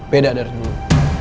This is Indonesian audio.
beda dari dulu